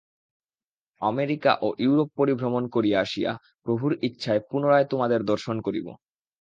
America ও Europe পরিভ্রমণ করিয়া আসিয়া প্রভুর ইচ্ছায় পুনরায় তোমাদের দর্শন করিব।